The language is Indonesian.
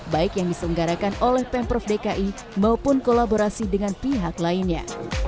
baik yang diselenggarakan oleh pemprov dki maupun kolaborasi dengan pihak lainnya